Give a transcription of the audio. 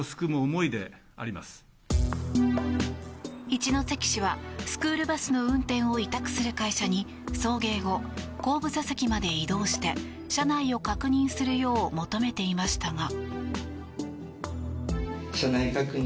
一関市はスクールバスの運転を委託する会社に送迎後、後部座席まで移動して車内を確認するよう求めていましたが。